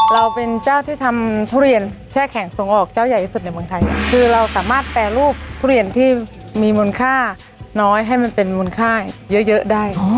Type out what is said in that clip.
เราเป็นเจ้าที่ทำทุเรียนแช่แข็งส่งออกเจ้าใหญ่ที่สุด